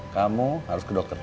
kamu harus ke dokter